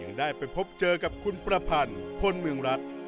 ยังได้ไปพบเจอกับคุณประพันธ์พลเมืองรัฐ